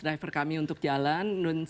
driver kami untuk jalan